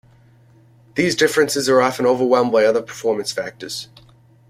These differences are often overwhelmed by other performance factors.